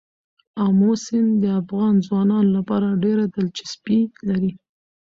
آمو سیند د افغان ځوانانو لپاره ډېره دلچسپي لري.